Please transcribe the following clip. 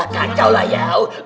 kacau lah ya